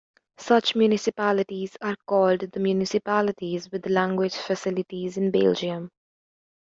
Such municipalities are called the municipalities with language facilities in Belgium.